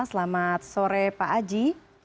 selamat sore pak aji